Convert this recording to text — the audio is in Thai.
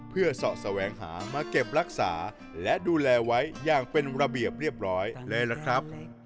เพื่อเสาะแสวงหามาเก็บรักษาและดูแลไว้อย่างเป็นระเบียบเรียบร้อยเลยล่ะครับ